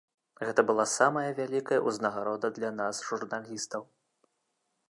Гэта была самая вялікая ўзнагарода для нас, журналістаў!